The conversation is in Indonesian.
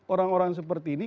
orang orang seperti ini